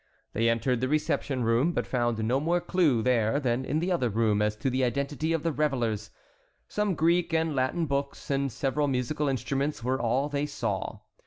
They entered the reception room, but found no more clue there than in the other room as to the identity of the revellers. Some Greek and Latin books and several musical instruments were all they saw.